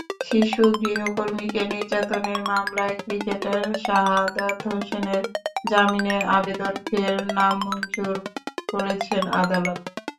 শিশু গৃহকর্মীকে নির্যাতনের মামলায় ক্রিকেটার শাহাদাত হোসেনের জামিনের আবেদন ফের নামঞ্জুর করেছেন আদালত।